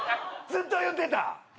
ずっと言ってた。